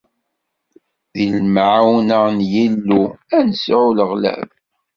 S lemɛawna n Yillu, ad nesɛu leɣlab.